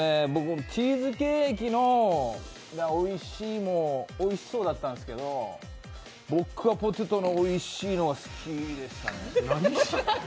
チーズケーキのおいしいもおいしそうだったんですけど僕はポテトのおいしいのが好きでしたね。